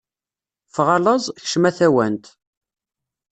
Ffeɣ a laẓ, kcem a tawant!